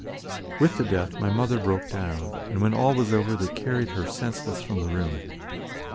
With the death, my mother broke down, and when all was over they carried her senseless from the room.